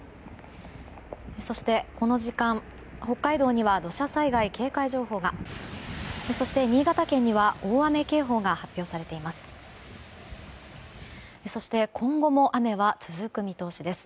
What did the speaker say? そして、この時間、北海道には土砂災害警戒情報がそして、新潟県には大雨警報が発表されています。